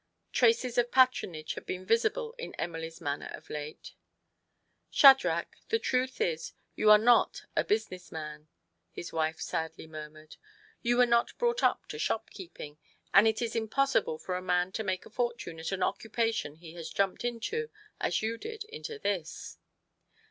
Traces of patronage had been visible in Emily's manner of late. " Shadrach, the truth is, you are not a business man," his wife sadly murmured. " You were not brought up to shopkeeping, and it is impossible for a man to make a fortune at an occupation he has jumped into, as you did into this."